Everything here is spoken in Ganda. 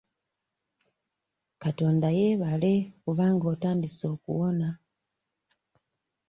Katonda yeebale kubanga otandise okuwona.